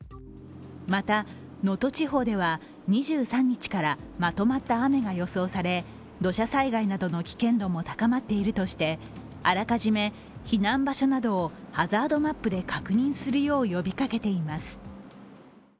また、能登地方では２３日からまとまった雨が予想され、土砂災害などの危険度も高まっているとしてあらかじめ避難場所などをハザードマップで確認するよう呼びかけています。